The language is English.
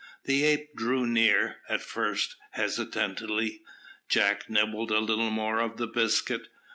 The ape drew near, at first, hesitatingly; Jack nibbled a little more of the biscuit.